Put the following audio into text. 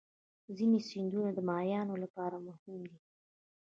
ځینې سیندونه د ماهیانو لپاره مهم دي.